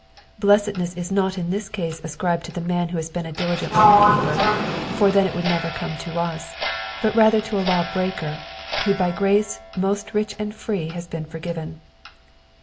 Blesseducea is not in this case ascribed to the man who has been a diligent law keeper, for then it would never corns to us, but rather to a lawbreaker, who by grace most rich and free has been forgiven.